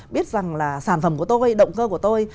biết rằng là sản phẩm của tôi động cơ của tôi